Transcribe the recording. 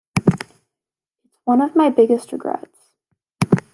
It's one of my biggest regrets.